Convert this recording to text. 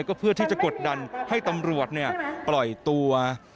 ก็เพื่อที่จะกดดันให้ตำรวจปล่อยตัว